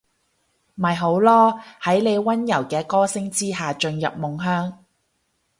咪好囉，喺你溫柔嘅歌聲之下進入夢鄉